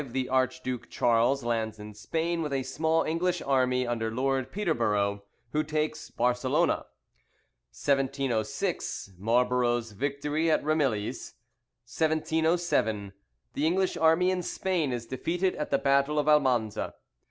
The Archduke Charles lands in Spain with a small English army under Lord Peterborough, who takes Barcelona. 1706. Marlborough's victory at Ramilies. 1707. The English army in Spain is defeated at the battle of Almanza.